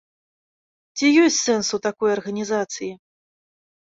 Ці ёсць сэнс ў такой арганізацыі?